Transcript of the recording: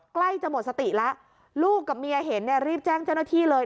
ใกล้จะหมดสติแล้วลูกกับเมียเห็นเนี่ยรีบแจ้งเจ้าหน้าที่เลย